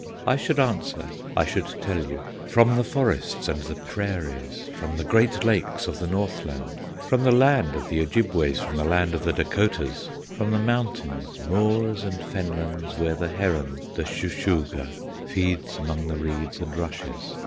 I should answer, I should tell you, "From the forests and the prairies, From the great lakes of the Northland, From the land of the Ojibways, From the land of the Dacotahs, From the mountains, moors, and fen lands Where the heron, the Shuh shuh gah, Feeds among the reeds and rushes.